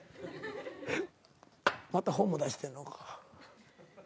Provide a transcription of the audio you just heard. また本も出してんのか。